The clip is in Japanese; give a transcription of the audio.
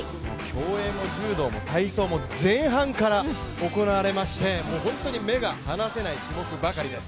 競泳も柔道も体操も前半から行われまして本当に目が離せない種目ばかりです。